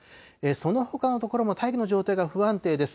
そのほかの所も大気の状態が不安定です。